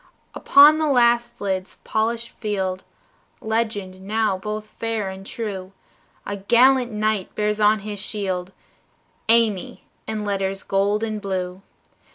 Upon the last lid's polished field Legend now both fair and true A gallant knight bears on his shield, "Amy" in letters gold and blue.